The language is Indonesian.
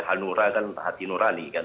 hal nurani kan hati nurani kan